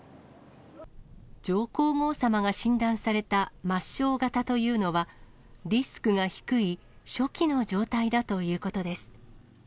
上皇后さまが診断された末しょう型というのは、リスクが低い初期の状態だということです。